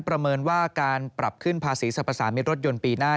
ประเมินว่าการปรับขึ้นภาษีสรรพสามิตรรถยนต์ปีหน้า